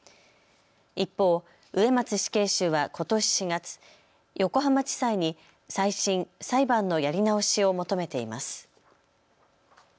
一方、植松死刑囚はことし４月、横浜地裁に再審・裁判のやり直しを求めています。